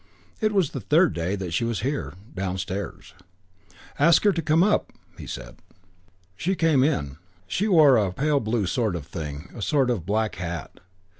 It was the third day and she was here, downstairs. "Ask her to come up," he said. She came in. She wore (as Sabre saw it) "a pale blue sort of thing" and "a sort of black hat."